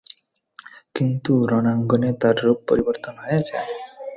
কিন্তু রণাঙ্গনে তার রূপ পরিবর্তন হয়ে যায়।